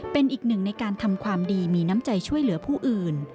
เป็นอีกหนึ่งในการทำความดีมีน้ำใจช่วยเหลือผู้อื่น